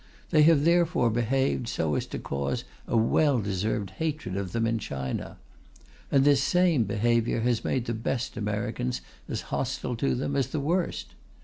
They have therefore behaved so as to cause a well deserved hatred of them in China. And this same behaviour has made the best Americans as hostile to them as the worst.